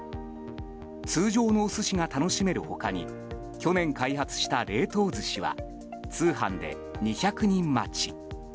通常のお寿司が楽しめる他に去年開発した冷凍寿司は通販で２００人待ち。